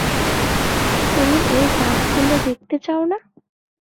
তুমি ওই দাগগুলো দেখতে চাও না?